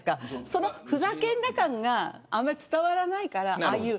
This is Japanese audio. そのふざけんな感があまり伝わらないから。